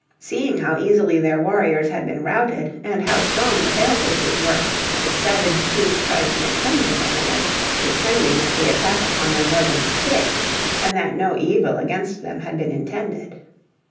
Seeing how easily their warriors had been routed and how strong the Pale faces were, the savage chiefs tried to make friends with them again, pretending that the attack upon them was a mistake, and that no evil against them had been intended.